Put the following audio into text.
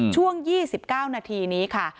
ช่วง๒๙นาทีนี้ค่ะ